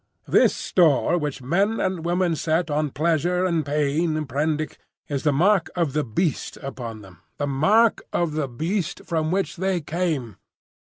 This store which men and women set on pleasure and pain, Prendick, is the mark of the beast upon them,—the mark of the beast from which they came!